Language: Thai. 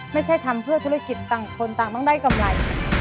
ไม่ใช่ทำเพื่อธุรกิจต่างคนต่างต้องได้กำไร